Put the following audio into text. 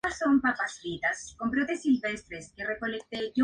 La punta de la aguja es de color verde oscuro brillante.